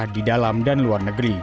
di dalam dan luar negeri